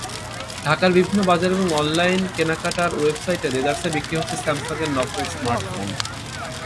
ঢাকার বিভিন্ন বাজার এবং অনলাইন কেনাকাটার ওয়েবসাইটে দেদারসে বিক্রি হচ্ছে স্যামসাংয়ের নকল স্মার্টফোন।